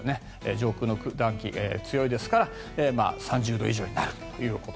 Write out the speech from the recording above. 上空の暖気が強いですから３０度以上になると。